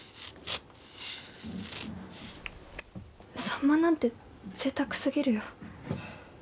サンマなんてぜいたくすぎるよ。